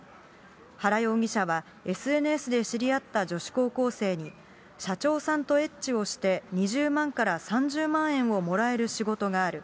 原容疑者は、ＳＮＳで知り合った女子高校生に、社長さんとエッチをして２０万から３０万円をもらえる仕事がある。